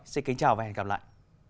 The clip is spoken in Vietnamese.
xin kính chào và hẹn gặp lại